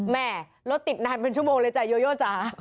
แม่รถติดนานเป็นชั่วโมงเลยจ้ะโยโยจ๋า